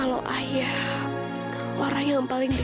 karena tempat ini